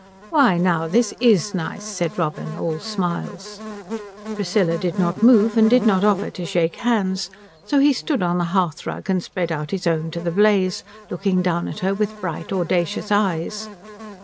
"Why now this is nice," said Robin, all smiles. Priscilla did not move and did not offer to shake hands, so he stood on the hearthrug and spread out his own to the blaze, looking down at her with bright, audacious eyes.